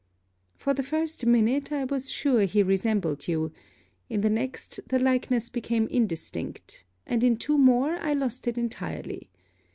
For the first minute, I was sure he resembled you; in the next, the likeness became indistinct; and in two more, I lost it entirely.